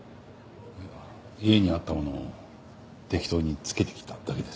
家にあったものを適当に着けてきただけです。